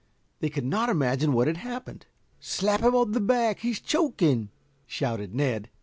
They could not imagine what had happened. "Slap him on the back, he's choking," shouted Ned.